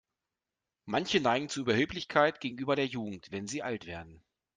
Manche neigen zu Überheblichkeit gegenüber der Jugend, wenn sie alt werden.